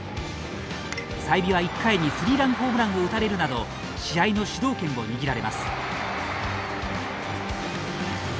済美は、１回にスリーランホームランを打たれるなど試合の主導権を握られます。